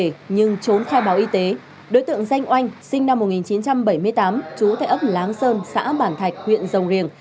đi làm sao về nhưng trốn theo báo y tế đối tượng danh oanh sinh năm một nghìn chín trăm bảy mươi tám chú tại ấp láng sơn xã bản thạch huyện rồng riềng